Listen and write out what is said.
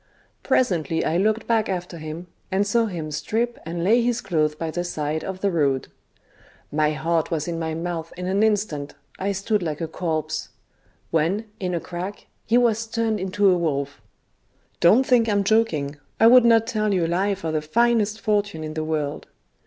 Presently I looked back after him, and saw him strip and lay his clothes by the side of the road. My heart was in my mouth in an instant, I stood like a corpse ; when, in a crack, he was turned into a wolf. Don't think I'm joking : I would not tell you a lie for the finest fortune in the world.